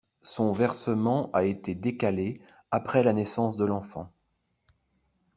Son versement a été décalé après la naissance de l’enfant.